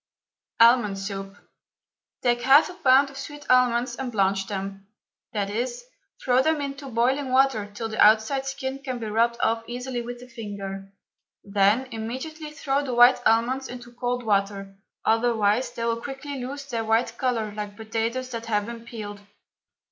ALMOND SOUP. Take half a pound of sweet almonds and blanch them, i.e., throw them into boiling water till the outside skin can be rubbed off easily with the finger. Then immediately throw the white almonds into cold water, otherwise they will quickly lose their white colour like potatoes that have been peeled.